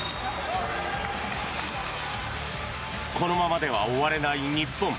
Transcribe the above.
このままでは終われない日本。